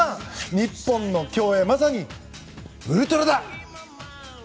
日本の競泳、まさにウルトラだ！